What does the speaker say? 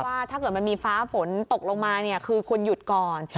ว่าถ้าเกิดมันมีฟ้าฝนตกลงมาคือคุณหยุดก่อน